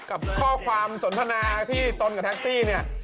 กับข้อความสนทนาที่ตนกับแท็กซี่เนี่ย